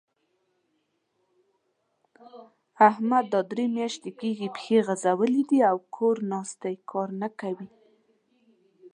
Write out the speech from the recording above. احمد دا درې مياشتې کېږي؛ پښې غځولې دي او کور ناست؛ کار نه کوي.